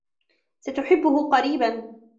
ستحبه قريبا.